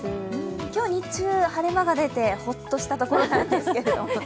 今日、日中晴れ間が出てホッとしたところなんですけれども。